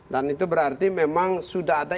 dan itu berarti memang sudah ada